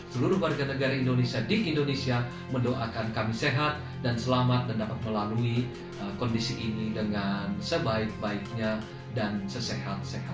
seluruh warga negara indonesia di indonesia mendoakan kami sehat dan selamat dan dapat melalui kondisi ini dengan sebaik baiknya dan sesehat sehat